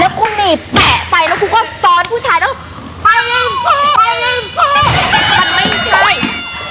แล้วกูหนีแปะไปแล้วกูก็ซ้อนผู้ชายไปลิงปุ๊ไปลิงปุ๊